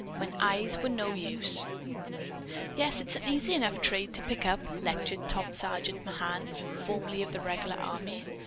When Eyes Were No Use "Yes, it's an easy enough trade to pick up," lectured Top Sergeant Mahan, formerly of the regular army.